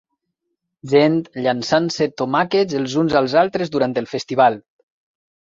Gent llançant-se tomàquets els uns als altres durant el festival.